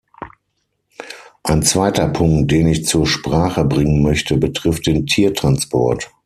Ein zweiter Punkt, den ich zur Sprache bringen möchte, betrifft den Tiertransport.